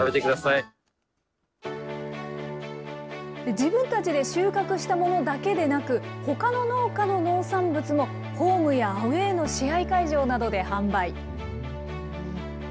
自分たちで収穫したものだけでなく、ほかの農家の農産物も、ホームやアウエーの試合会場などで販売。